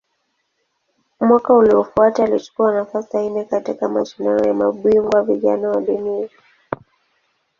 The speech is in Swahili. Mwaka uliofuata alichukua nafasi ya nne katika Mashindano ya Mabingwa Vijana wa Dunia.